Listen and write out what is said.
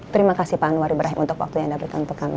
terima kasih pak anwar ibrahim untuk waktu yang anda berikan untuk kami